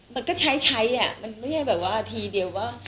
มันก็ใช้ใช้อ่ะมันไม่ใช่แบบว่าทีเดียวว่า